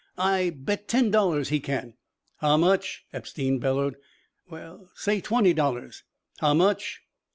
"I bet ten dollars he can." "How much?" Epstein bellowed. "Well say twenty dollars." "How much?"